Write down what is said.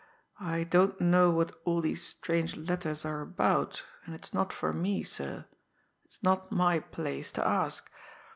I don't know what all these strange letters are about, and it's not for me, sir, it's not my place, to ask.